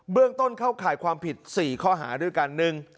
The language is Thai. เรื่องต้นเข้าข่ายความผิด๔ข้อหาด้วยกัน